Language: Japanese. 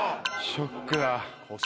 ショックだ。